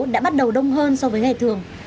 đã bắt đầu đông hơn so với ngày thường